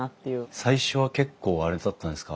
最初は結構あれだったんですか